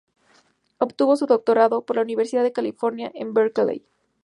Obtuvo su doctorado, por la Universidad de California en Berkeley.